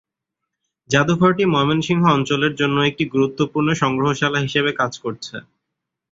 জাদুঘরটি ময়মনসিংহ অঞ্চলের জন্য একটি গুরুত্বপূর্ণ সংগ্রহশালা হিসেবে কাজ করছে।